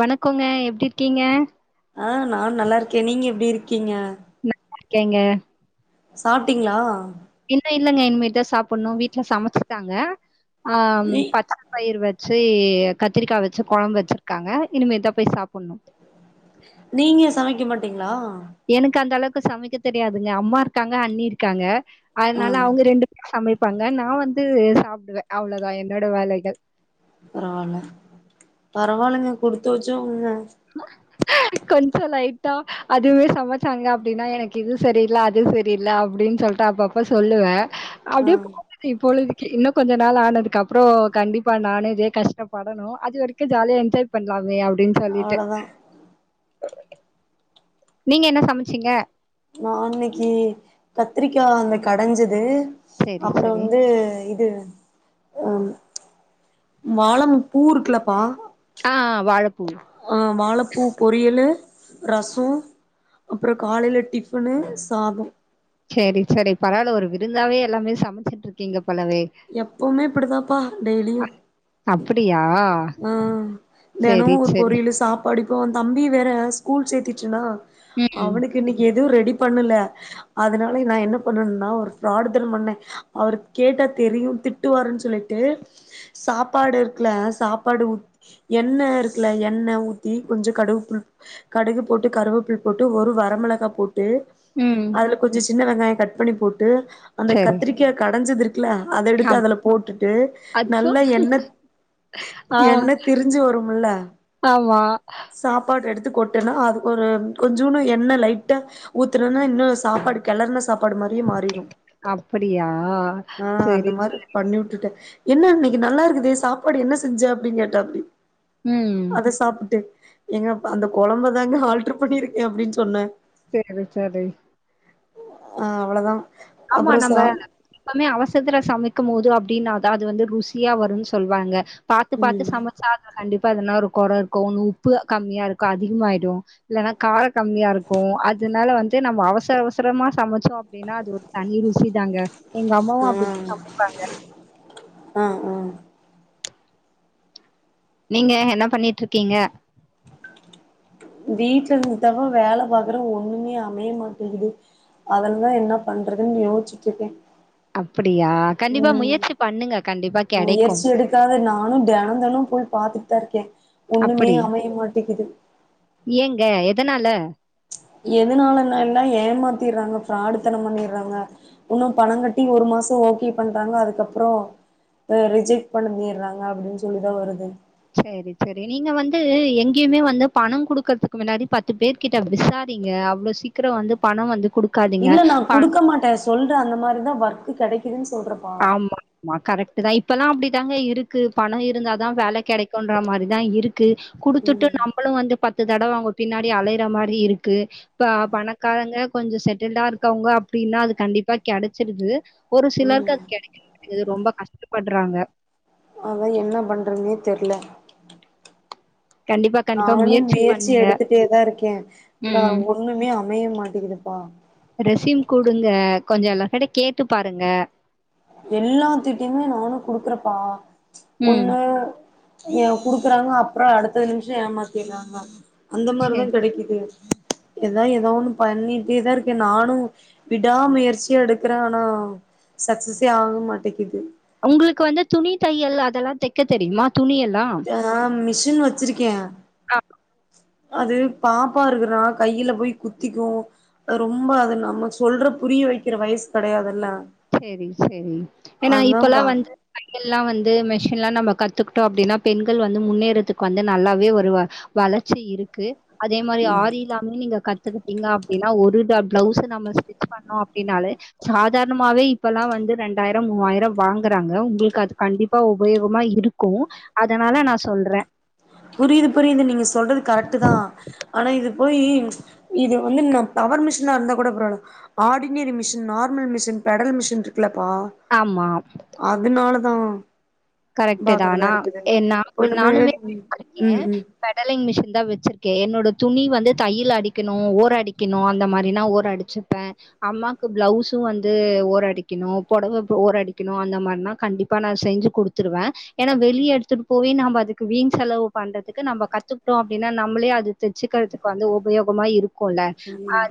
வணக்கோங்க எப்டி இருக்கீங்க? ஆ நான் நல்லாருக்கே நீங்க எப்டி இருக்கீங்க? கேங்க. சாப்ட்டிங்ளா? இன்னு இல்லங்க இனிமேட்தா சாப்பன்னு வீட்ல சமைச்காங்க ஆ ம் நீ பச்ச பயிர் வெச்சி கத்திரிக்கா வெச்ச கொழம்பு வெச்சிர்க்காங்க இனிமேட்தா போய் சாப்புன்னு. நீங்க சமைக்க மாட்டிங்ளா? எனுக்கு அந்த அளவுக்கு சமைக்க தெரியாதுங்க அம்மா இருக்காங்க அண்ணி இருக்காங்க ஆ அதுனால அவுங்க ரெண்டு பேரு சமைப் பாங்க நா வந்து சாப்டுவே அவ்ளதா என்னோட வேலைகள். பரவால்ல பரவால்லங்க குடுத்து வெச்சவுங்கங்க. [unintelligible] கொஞ்சோ லைட்டா அதுவே சமச்சாங்க அப்டினா எனக்கு இது சரியில்ல அது சரியில்ல அப்டின் சொல் ட்டு அப்ப அப்ப சொல்லுவே ஆ அப்டியே [inaudible] இப்பொழுதிக்கி இன்னோ கொஞ்ச நாள் ஆனதுக்கு அப்றோ கண்டிப்பா நானு இதே கஷ்டப்படணு அது வரை க்கு ஜாலியா என்ஜாய் பண்லாமே அப்டின் அவ்ளதா. நீங்க என்ன சமச்சீங்க? நா இன்னைக்கி கத்திரிக்கா அந்த கடஞ்சது சரி, அப்றோ சரி. வந்து இது ஆ வாழம் பூ இருக்குலப்பா ஆ ஆ வாழப்பூ ஆ வாழப்பூ பொரியலு ரஸ்சோ அப்றோ காலையில டிஃபனு சாதோ சேரி சேரி பரவால்ல ஒரு விருந்தாவே எல்லாமே சமச்சிட்டு இருக்கீங்க போலவே எப்வுமே இப்டிதாப்பா டெய்லியு அப்பிடியா ஆ தெனமு ஒரு பொரியலு சாப்பாடு இப்போ தம்பி வேற ஸ்கூல் சேத்திட்டனா ம், அவுனுக்கு இன்னக்கி எதுவு ரெடி பண்ணல அதனால நா என்ன பண்ணுன்னா ஒரு ஃபிராடுதனோ பண்ண அவுரு கேட்டா தெரியு திட்டுவாருன்னு சொல்லிட்டு சாப்பாடு இருக்குல சாப் பாடு ஊத் எண்ணெ இருக்குல எண்ணெ ஊத்தி கொஞ்சோ கடுவு பு கடுகு போட்டு கருவப்புல போட்டு ஒரு வரமிளகா போட்டு ம். அதுல கொஞ்சோ சின்ன வெங்காயோ கட் பண்ணி போட்டு அந்த சரி. கத்திரிக்கா கடஞ்சது இரு க்குல அத எடுத்து ஆமா. அதுல போட்டுட்டு அச்சோ! நல்ல எண்ணெ ஆ எண்ணெ திரிஞ்சி வரும்ல ஆமா. சாப்பாடு எடுத்து கொட்டனு அதுக்கு ஒரு கொஞ்சோடு எண்ணெ லைட்டா ஊத்துன்னா இன்னு சாப்பாடு கெலர்ன சாப் பாடு மாரியே மாறிறு அப்படியா? ஆ அந்த சரி. மாரி பண்ணி வுட்டுட்ட என்ன இன்னக்கி நல்லா இருக்குதே சாப்பாடு என்ன செஞ்ச அப்டின்னு கேட்டாப்டி ம். அத சாப்ட்டு ஏங்க அந்த கொழம்பதாங்க ஆல்டர் பண்ணியிருக்க அப்டின்னு சொன்ன சேரி சேரி ஆ அவ்ளதா ஆமா நம்ம எப்வுமே அவசரத்துல சமைக்கு போது அப்டின்னாதா அது வந்து ருசியா வருன்னு சொல்லுவாங்க பாத்து பாத்து ம் சமைச்சா அதுல கண்டிப்பா எதனா ஒரு கொற இருக்கு ஒன்னு உப்பு கம்மியா இருக்கு அதிகமாயிடு இல்லனா காரோ கம்மியா இருக்கு அதுனால வந்து நம்ம அவசர அவசரமா சமச் சோ அப்டின்னா அது ஒரு தனி ருசி தாங்க எங்க அம்மாவு ஆ அப்டிதா சமைப்பாங்க ஆ ஆ நீங்க என்ன பண்ணிட் இருக்கீங்க வீட்ல இருந்து தா பா வேல பாக்குற ஒண்ணுமே அமைய மாட்டேங்குது அதனால என்ன பண்றதுன் யோசிட்டு இருக்க அப்டியா கண்டிப்பா முயற்சி பண்ணுங்க கண்டிப்பா கெடைக்கும். முயற்சி எடுக்காத நானு தெனந்தெனு போய் பாத்துட்டு தா இருக்க ஒண்ணுமே அப்படியா? அமைய மாட்டிகுது ஏங்க எதனால எதுனாலன எல்லா ஏமாத்திர்றாங்க ஃபிராடுத்தனோ பண்ணிர்றாங்க இன்னு பணம் கட்டி ஒரு மாசம் ஓக்கே பண்றாங்க அதுக்கப்றோ ரிஜெக்ட் பண்ணிர்றாங்க அப்டின்னு சொல்லிதா வருது செரி செரி நீங்க வந்து எங்கேயுமே வந்து பணம் குடுக்கறதுக்கு முன்னாடி பத்து பேர் கிட்ட விசாரிங்க அவ்ளோ சீக்கிரம் வந்து பணம் வந்து குடு இல்ல நா குடுக்க மாட்ட சொல்ற அந்த மாரிதா ஒர்க்க் கெடைக்குதுன் சொல்ற ஆமா ஆமா கரெக்ட்டு தா இப்பல்லா அப்டிதாங்க இருக்கு பணோ இருந்தாதா வேல கெடக்கும்ன்ற மாரிதா இருக்கு குடுத்துட்டு ம் நம்பளு வந்து பத்து தடவ அவங்க பின்னாடி அலயற மாரி இருக்கு இப்ப பணக்காரங்க கொஞ்சோ செட்டில்டா இருக்கவங்க அப்படின்னா அது கண்டிப்பா கெடச்சிருது ஒரு சிலருக்கு ம் அது கெடைக்கமாட்டேங்குது ரொம்ப கஷ்டப்படுறாங்க அதா என்ன பண்றதுன்னே தெர்ல கண்டிப்பா, கண்டிப்பா நானு முயற்சி பண்ணுங்க. எடுத்துட்டே தா இருக்கே இந்தா ம். ஒண்ணுமே அமைய மாட்டேங்கிதுப்பா ரெசியூம் குடுங்க கொஞ்சோ எல்லார்கிட்டயு கேட்டு பாருங்க எல்லாத் திட்டியுமே நானு குடுக்குறேப்பா ச் ம் ஒண்ணு ஏ குடுக்குறாங்க அப்புறோ அடுத்த நிமிஷம் ஏமாத்திறாங்க அந்த மாரிதா சேரி கெடைக்குது எதா ஏதோ ஒன்னு பண்ணிட்டேதா இருக்கே நானு விடா முயற்சியா எடுக்குறே ஆனா சக்சஸே ஆக மாட்டேக்குது ஒங்களுக்கு வந்து துணி தையல் அதெல்லா தெக்க தெரியுமா துணியலா ஆ மிஷின் வச்சிருக்கே ஆன் அது பாப்பா இருக்குறனால கையில போய் குத்திக்கு ரொம்ப அது நம்ம சொல்ற புரிய வக்கிற வயசு கெடயாதுல்ல சேரி சேரி ஏன்னா இப்பல்லா வந்து தையல்லா வந்து மெஷின்ல்லா நம்ம கத்துக்கிட்டோ அப்டின்னா பெண்கள் வந்து முன்னேறதுக்கு வந்து நல்லாவே ஒரு வளர்ச்சி இருக்கு அதே மாரி ஆரில்லாமே நீங்க கத்துக்கிட்டீங்க அப்டின்னா ஒருடாட் பிளவுஸ்ஸ நம்ம ஸ்டிச் பண்ணோ அப்டினாலே சாதாரண சும்மாவே இப்பல்லா வந்து ரெண்டாயிரம் மூவாயிரம் வாங்கறாங்க ஒங்களுக்கு அது கண்டிப்பா உபயோகமா இருக்கு அதனால நா சொல்றே புரியுது புரியிது நீங்க சொல்றது கரெக்ட் தா ஆனா இது போயி இது வந்து நா பவர் மிஷினா இருந்தா கூட பரவால்ல ordinary machine normal machine pedal machine இருக்குலப்பா ஆம்மா அதுனால தா கரெக்ட் தா நா ஏ ஒண்ணுமே நானுமே [unintelligible] சிருக்கே ம் ம் பெடலிங் மிஷின் தா வச்சிருக்கே என்னோட துணி வந்து தையிலடிக்கணு ஓர அடிக்கணு அந்த மாரினா ஓர அடிக் வச்சுப்பே அம்மாக்கு பிளவுஸு வந்து ஓர அடிக்கணு புடவ ஓர அடிக்கணு அந்த மாதிரிலாம் கண்டிப்பா நா செஞ்சு கொடுத் துருவே ஏன்னா வெளிய எடுத்துட்டு போய் நம்ம அதுக்கு வீண் செலவு பண்றதுக்கு நம்ப கத்துக்கிட்டோ அப்டின்னா நம்மளே அது தச்சுக்கிறதுக்கு வந்து உபயோகமா இருக்குல்ல ம்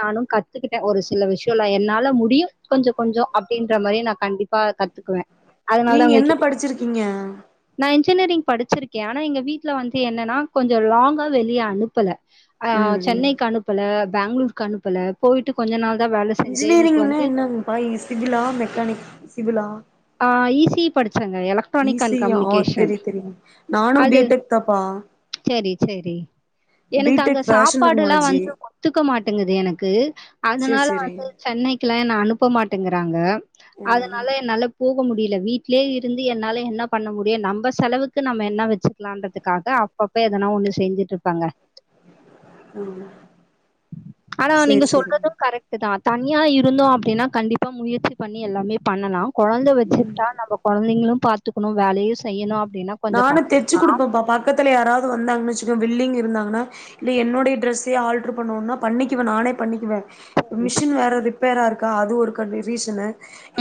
நானு கத்துக்கிட்டே ஒரு சில விஷயல்லா என்னால முடியு கொஞ்சோ கொஞ்சோ அப்படின்ற மாதிரி நா கண்டிப்பா கத்துக் நீங்க என்ன படிச்சிருக்கீங்க நா இன்ஜினியரிங் படிச்சிருக்கே ஆனா எங்க வீட்ல வந்து என்னன்னா கொஞ்சோ லாங்கா வெளிய அனுப்பல ஆ ம் ம் சென்னைக்கு அனுப்பல பேங்களூருக்கு அனுப்பல போயிட்டு கொஞ்ச நாள் தா வேல செஞ்சேன். எனக்கு இன்ஜினியரிங்னா வந்து என்னங்கப்பா சிவிலா மெக்கானிக் சிவிலா ஆ இ சி இ படிச்சே எலக்ட்ரானிக் அண்ட் ஈஸியா கம்யூனிகேஷன் தெரியு தெரியு நானு பி அது டெக் தாப்பா சேரி சேரி பி எனக்கு அங்க டெக் ஃபேஷன் சாப்பாடுல்லா டெக்னாலஜி வந்து ஒத்துக்க மாட்டேங்குது எனக்கு சேரி அதனால சேரி வந்து சென்னை கே என்ன அனுப்ப மாட்டேங்கறாங்க ம் அதுனால என்னால போக முடியல வீட்க் வீட்லே இருந்து என்னால என்ன பண்ண முடியு நம்ம செலவுக்கு நம்ம என்ன வச்சுக்கலான்றதுக்காக அப்பப்ப எதனா ஒண்ணு செஞ்சுட்டு இருப்பாங்க ம் ஆனா நீங்க சேரி சேரி சொல்றது கரெக்ட் ட்டா தனியா இருந்தோ அப்டின்னா கண்டிப்பா முயற்சி பண்ணி எல்லாமே பண்ணலா கொழந்த வச்சுக்கிட்டா நம்ம கொழந்தைகளு பாத்துக்ணு வேலயையு செய்யணு அப்டின்னா கொஞ்சம் நானு கஷ் தெச்சு கொடுப்பே பாப்பா பக்கத்துல யாராவ்து வந்தாங்கன் வச்சுக்கோ வில்லிங் இருந்தாங்ன்னா இல்ல என்னுடைய ட்ரெஸ்ஸே ஆல்ட்ரு பண்ணுவோனா பண்ணிக்குவே நானே பண்ணிக்குவே மிஷின் வேற ரிப்பேரா இருக்கா அது ஒருகன் ரீசனு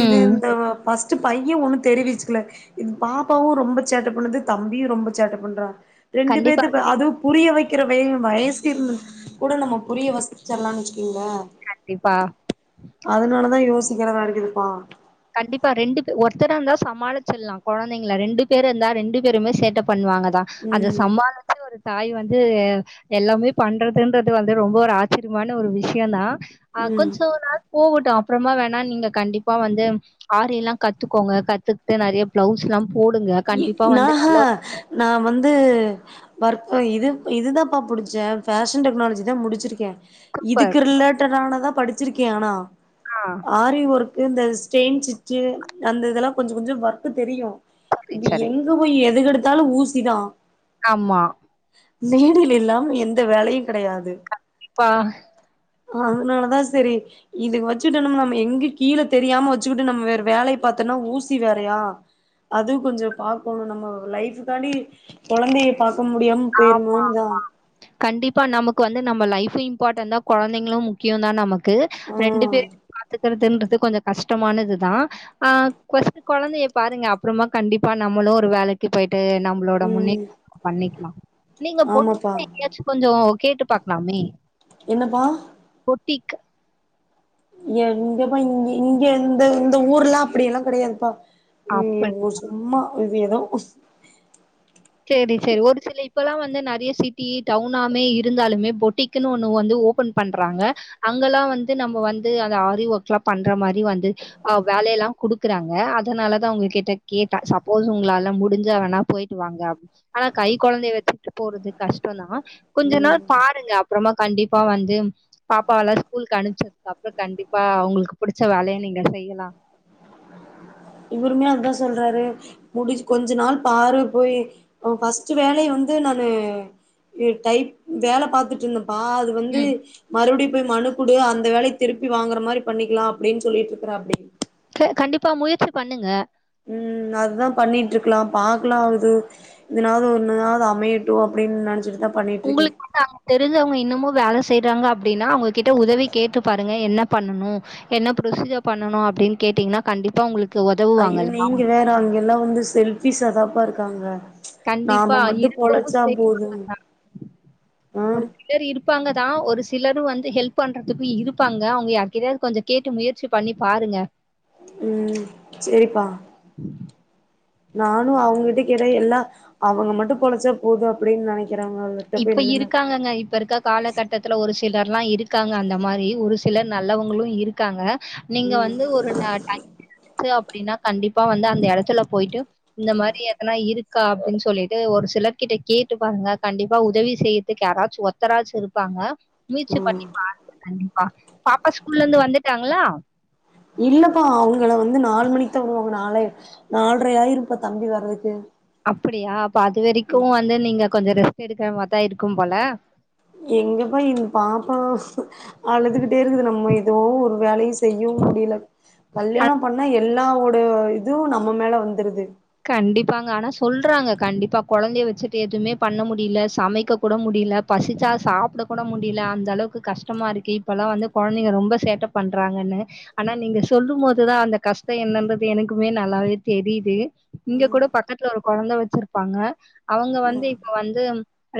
இது ம். இந்த பசங்க பஸ்டு பைய ஒண்ணு தெரிவிச்சுக்கல இது பாப்பாவு ரொம்ப சேட்ட பண்னுது தம்பியு ரொம்ப சேட்ட பண்றா ரெண்டு கண்டிப்பா, பேத்த அது புரிய வைக்கிற வெ வயசுஇருந்து கூட நம்ம புரிய வசிச்சரலா இருக்கிங்ளா கண்டிப்பா அதுனால தா யோசிக்கிறதா இருக்குதுப்பா கண்டிப்பா ரெண்டு பேர் ஒருத்தரா இருந்தா சமாளிச்சல்லா கொழந்தைங்கள ரெண்டு பேரு இருந்தா ரெண்டு பேருமே சேட்ட பண்ணுவாங்கதா அத ம் சமாளிச்சு ஒரு தாய் வந்து எல்லாமே பண்றதுன்றது வந்து ரொம்ப ஒரு ஆச்சரியமான ஒரு விஷ்யோ தா அ ம் கொஞ்சோ ஒரு நாள் போகட்டு அப்புறமா வேணா நீங்க கண்டிப்பா வந்து ஆரி எல்லா கத்துக்கோங்க கத்துக்கிட்டு நெறைய பிளவுஸ் எல்லா போடுங்க கண்டிப்பா வந்து நாஹ நல்ல ஒரு நா வந்து வர்க் இது இதுதாப்பா புடிச்சே ஃபேஷன் டெக்னாலஜி தா முடிச்சிருக்கே சூப்பர். இதுக்கு ரிலேட்டடானதா படிச்சிருக்கே ஆனா ஆ ஆரி ஒர்க்கு இந்த ஸ்டெயின் சிச்சு அந்த இதெல்லா கொஞ்ச கொஞ்ச வர்க்கு தெரியு சரி, இபி சரி. எங்க போய் எது கெடுத்தாலு ஊசிதா ஆமா நீடில் இல்லாம எந்த வேலயு கிடயாது ப்பா அதுனாலதா செரி இது வச்சுட்டு நம் நம்ம எங்கு கீழ தெரியாம வச்சுக்கிட்டு நம்ம வேற வேலைய பாத்தம்னா ஊசி வேறயா அதுவ் கொஞ்சோ பாக்ணு நம்ம லைஃப் தாண்டி கொழந்தைய பாக்க முடியாம பேயிருமுன் தா ஆமாமா. கண்டிப்பா நமக்கு வந்து நம்ம லைஃபு இம்பார்டண்ட் தா கொழந்தைங்களு முக்கியோ தா நமக் க்கு ஆ ரெண்டு பேரு பாத்துக்கறதுன்றது கொஞ்சோ கஷ்டமானதுதா ஆ கொஞ்ச கொழந்தைய பாருங்க அப்புறமா கண்டிப்பா நம்மளு ஒரு வேலைக் கி போயிட்டு நம்மளோட ம் முன்னேற்றத்த பண்ணிக்கலா நீங்க போட்டு ஆமாப்பா எங்யாச்சு கொஞ்சோ கேட்டு பாக்லாமே என்னப்பா ஒட்டிக் ஏ இங்கப்பா இங்க இங்க இந்த இந்த ஊர்லா அப்டிய எல்லா கிடயாதுப்பா நீ அப்படி ஒரு சும்மா இது ஏதோ செரி சேரி ஒரு சில இப்ப எல்லா வந்து நெறைய சிட்டி டவுனாமே இருந்தாலுமே பொட்டிக் க்குனு ஒன்னு வந்து ஓபன் பண்றாங்க அங்கல்லா வந்து நம்ம வந்து அந்த ஆரி ஒர்க் எல்லா பண்ற மாரி வந்து வேலயெல்லா குடுக்குறாங்க அதுனால தா உங்க கிட்ட கேட்ட சப்போஸ் உங்களாலா முடிஞ்ஜா வேனா போயிட்டு வாங்க அப் ஆனா கைகொழந்தைய வச்சுட்டு போறது கஷ்டம்தா கொஞ்ச நாள் ம் பா இல்லங்க அப்புறமா கண்டிப்பா வந்து பாப்பாவெல்லா ஸ்கூலுக்கு அனுபிச்சதுக் அப்புறம் கண்டிப்பா உங்ளுக்கு புடிச்ச வேலய நீங்க செய்யலா இவ்ருமே அதா சொல்றாரு முடி கொஞ்ச நாள் பாரு போய் பஸ்ட் வேலய வந்து நானு டைப் வேல பாத்துட்திருந்தம்பா அது வந்து ம். மறுபடி போய் மனுகுடு அந்த வேலய திருப்பி வாங்கற மாரி பண்ணிகலா அப்டின் சொல்லிட்டுருக்காபடி கே கண்டிபா முயற்சி பண்ணுங்க ம் அதுதா பண்ணிட்ருக்கலா பாக்கலா இது இதுனாது ஒன்னுனாது அமையட்டும் அப்டின்னு நெனச்சிட்டு தா பண்ணிட்டு இருக்கே உங்களுக் தா தெரிஞ்சவங்க இன்னுமு வேல செய்றாங்க அப்டின்னா அவங்ககிட்ட உதவி கேட்டு பாருங்க என்ன பண்ணனு என்ன புரொசீஜ பண்ணனு அப்டின் கேட்டீங்கனா கண்டிப்பா உங்ளுக் அய்யோ நீங்க வேற அங்கெல்லா வந்து செல்ஃபிஸ்ஷதாப்பா இருக்காங்க கண்டிப்பா நாம மட்டு இருக்கவு பொலச்சா செய் போதுங் ம் பேரு இருப்பாங்க தா ஒரு சிலரு வந்து ஹெல்ப் பண்றதுக்கு இருப்பாங்க அவுங்க யார் கிட்டயாது கொஞ்ச கேட்டு முயற்சி பண்ணி பாருங்க ம் செரிபா நானும் அவுங்கிட்ட கேட்ட எல்லா அவங்க மட்டு பொலச்சாப் போதும் அப்டின் நெனைக்கற வங்லட்ட போய் நம்ம இனா சொ அங்கங்க இப்ப இருக்கக் காலகட்டத்துல ஒரு சிலர்ல்லா இருக்காங்க அந்த மாரி ஒரு சிலர் நல்லவங்ளு இருக்காங்க நீங்க ம் வந்து ஒரு அ டைம் எடுத்து அப்டின்னா கண்டிப்பா வந்து அந்த எடத்துல போய்ட்டு இந்த மாரி எதனா இருக்கா அப்டின் சொல்லிடு ஒரு சிலர்கிட்ட கேட்டு பாருங்க கண்டிபா உதவி செய்துக்கு யாராச்சு ஒத்தராச்சு இருப்பாங்க முயச்சி பண்ணி ம் பாருங்க கண்டிப் பா பாப்பா ஸ்கூல்லந்து வந்துட்டாங்ளா இல்லப்பா அவங்கள வந்து நால் மணிக்கு தா உடுவாங்க நால நால்ட்ர ஆயிரும்ப்பா தம்பி வர்றதுக்கு அப்படியா அப்ப அது வரைக்கு வந்து நீங்க கொஞ்ச ரெஸ்ட் எடுக்குற மரிதா இருக்கும் போல எங்கப்பா என் பாப்பா அலுதுகிட்டே இருக்குது நம்ம ஏதோ ஒரு வேல செய் செய்யவு முடில ஆனா கல்யாணம் பண்ணா எல்லாவோட இதுவு நம்ம மேல வந்துருது கண்டிப்பாங்க ஆனா சொல்றாங்க கண்டிபா கொழந்தைய வச்சிட்டு எதுவுமே பண்ண முடியல சமைக்க கூட முடில பசிச்சா சாப்பட கூட முடில அந்த அளவுக்கு கஷ்டமா இருக்கு இப்பல்லா வந்து கொழந்தைங்க ரொம்ப சேட்ட பண்றாங்கன்னு ஆனா நீங்க சொல்லும் போதுதா அந்த கஷ்ட என்னன்றது எனக்குமே நல்லாவே தெரியுது இங்க கூட பக்கத்துல ஒரு கொழந்த வச்சிருப்பாங்க அவங்க வந்து இப்ப வந்து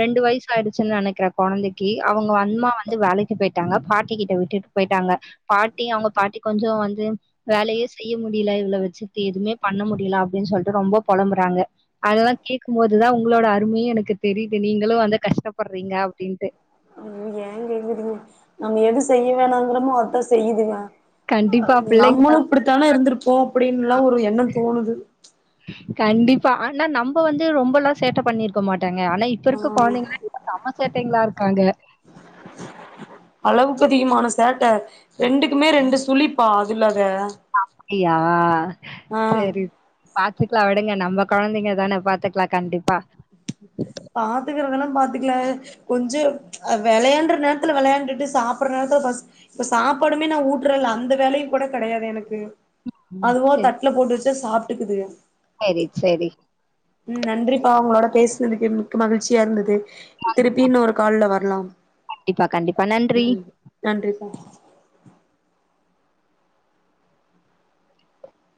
ரெண்டு வய்ஸ் ஆயிடிச்சின் நனைக்கற கொழந்தைகி அவங்க அன்மா வந்து வேலைக்கி போயிட்டாங்க பாட்டி கிட்ட விட்டுட் போயிட்டாங்க பாட்டி அவங்க பாட்டி கொஞ்ஜோ வந்து வேலையே செய்ய முடில இவ்ள வச்சிகிட்டு எதுவுமே பண்ண முடில அப்டின் சொல்டு ரொம்ப பொளம்புறாங்க அதெல்லா கேட்கும் போதுதா உங்களோட அருமையே எனக்கு தெரியுது நீங்களு வந்து கஷ்டபற்றீங்க அப்டீன்டு ம் ஏ கேக்குறீங்க நம்ம எது செய்ய வேணாங்கிறமோ அத்தா செய்யுது மா கண்டிப்பா பிள்ளைங்க நம்ளு இப்டித்தான இருந்திருப்போ அப்டின்லா ஒரு எண்னோ தோணுது கண்டிப்பா ஆனா நம்ப வந்து ரொம்பலா சேட்ட பண்ணிருக்க மாட்டங்க ஆனா இப் இப்பருக்க ஆமா கொழந்தைங்ளா இல்ல சம சேட்டைங்களா இருக்காங்க அளவுக் அதிகமான சேட்ட ரெண்டுக்குமே ரெண்டு சுளிப்பா அது இல்லாத அப்டியா செரி பாத்துகலா விடுங்க நம்ம கொழந்தைங்க தான பாத்துகலா கண்டிப்பா பாத்துக்கறதெல்லா பாத்துகலா கொஞ்ச அ வெளையாண்ட்ற நேரத்துல வெளையாண்டுட்டு சாப்புட்ற நேரத்துல பசி இப்ப சாப்பாடுமே நா ஊட்றேன்ல அந்த வேலயு கூட கெடையாது எனக்கு ம் அதுவா தட்ல போட்டு வச்சா சாப்டுக்குதுங்க செரி செரி ம் நன்றிப்பா உங்ளோட பேசுனதுக்கு மிக்க மகிழ்ச்சியா இருந்தது திருப்பி இன்னோரு கால்ல வர்லா கண்டிப்பா கண்டிப்பா நன்றி நன்றிப்பா